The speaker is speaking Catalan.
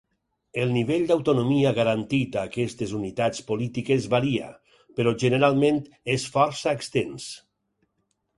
El nivell d'autonomia garantit a aquestes unitats polítiques varia, però generalment és força extens.